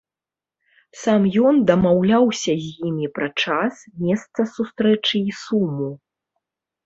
Сам ён дамаўляўся з імі пра час, месца сустрэчы і суму.